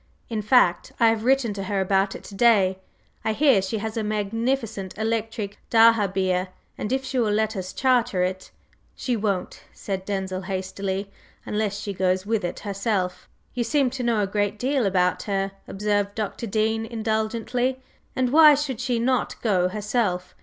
In fact, I have written to her about it to day. I hear she has a magnificent electric dahabeah, and if she will let us charter it. …" "She won't," said Denzil hastily, "unless she goes with it herself." "You seem to know a great deal about her," observed Dr. Dean indulgently, "and why should she not go herself?